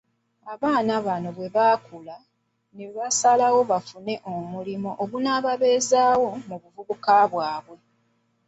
Abaana bano bwebaakula ne basalawo bafune omulimo ogunababeezaawo mu buvubuka bwabwe.